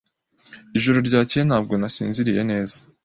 Ijoro ryakeye ntabwo nasinziriye neza.